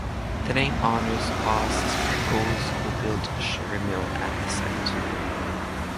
The name honors Claus Spreckels, who built a sugar mill at the site.